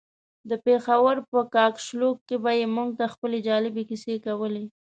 د پېښور په کاکشالو کې به يې موږ ته خپلې جالبې کيسې کولې.